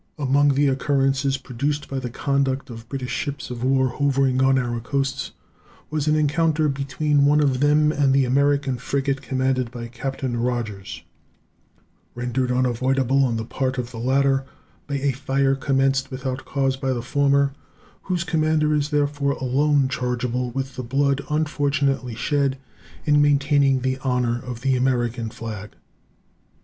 Among the occurrences produced by the conduct of British ships of war hovering on our coasts was an encounter between one of them and the American frigate commanded by Captain Rodgers, rendered unavoidable on the part of the latter by a fire commenced without cause by the former, whose commander is therefore alone chargeable with the blood unfortunately shed in maintaining the honor of the American flag.